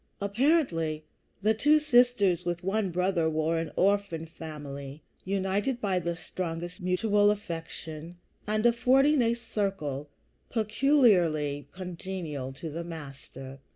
Apparently, the two sisters with one brother were an orphan family, united by the strongest mutual affection, and affording a circle peculiarly congenial to the Master.